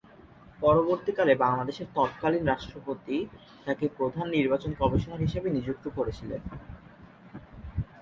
পরবর্তীকালে বাংলাদেশের তৎকালীন রাষ্ট্রপতি তাকে প্রধান নির্বাচন কমিশনার হিসাবে নিযুক্ত করেছিলেন।